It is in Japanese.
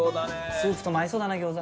スープとも合いそうだな餃子。